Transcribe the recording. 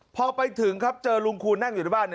พอไปถึงครับเจอลุงคูณนั่งอยู่ในบ้าน